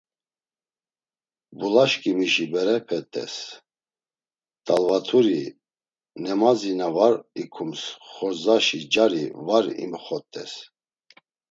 Bulaşǩimişi berepe t̆es, T̆alvaturi, nemazi na var ikums xordzaşi cari var imxot̆es.